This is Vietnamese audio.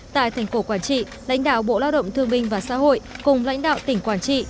tại thành cổ quản trị lãnh đạo bộ lao động thương minh và xã hội cùng lãnh đạo tỉnh quảng trị